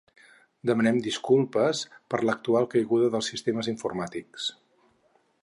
Demanem disculpes per l’actual caiguda dels sistemes informàtics.